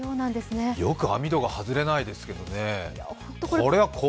うわ、よく網戸が外れないですけどねえ。